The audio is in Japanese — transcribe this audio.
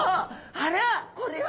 あらこれは？